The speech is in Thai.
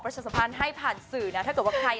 ประสาทภัณฑ์ให้ผ่านสื่อนะถ้าเกิดว่าใคร